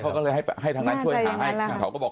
เขาก็เลยให้ทางนั้นช่วยหาให้น่าใจอย่างนั้นแหละ